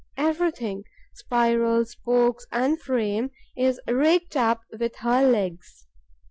Everything spiral, spokes and frame is raked up with her legs.